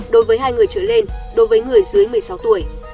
đối với hai người trở lên đối với người dưới một mươi sáu tuổi